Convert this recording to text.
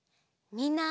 みんな。